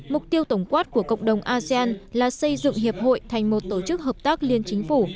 mục tiêu tổng quát của cộng đồng asean là xây dựng hiệp hội thành một tổ chức hợp tác liên chính phủ